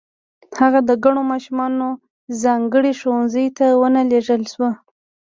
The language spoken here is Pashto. هغه د کڼو ماشومانو ځانګړي ښوونځي ته و نه لېږل شو